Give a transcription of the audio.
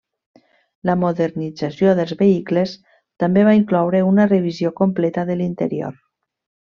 La modernització dels vehicles també va incloure una revisió completa de l'interior.